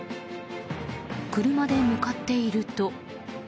車で向かっていると。